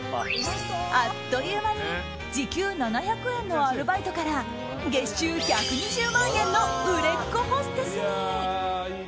あっという間に時給７００円のアルバイトから月収１２０万円の売れっ子ホステスに！